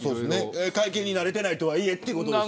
会見に慣れていないとはいえということ。